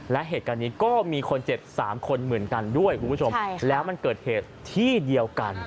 และเหตุการณ์นี้ก็มีคนเจ็บ๓คนเหมือนกันด้วยคุณผู้ชมแล้วมันเกิดเหตุที่เดียวกัน